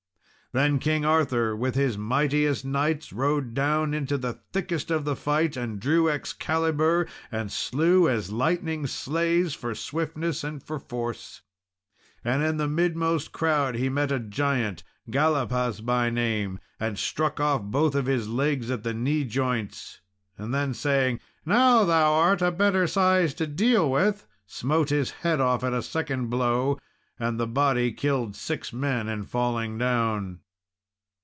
Then King Arthur, with his mightiest knights, rode down into the thickest of the fight, and drew Excalibur, and slew as lightning slays for swiftness and for force. And in the midmost crowd he met a giant, Galapas by name, and struck off both his legs at the knee joints; then saying, "Now art thou a better size to deal with!" smote his head off at a second blow: and the body killed six men in falling down.